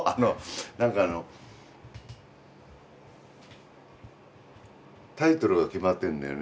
何かあのタイトルは決まってんだよね。